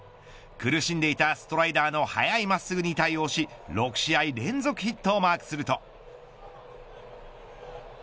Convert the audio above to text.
苦しんでいたストライダーの速いまっすぐに対応し６試合連続ヒットをマークすると。